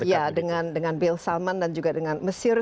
ya dengan dengan bill salman dan juga dengan mesir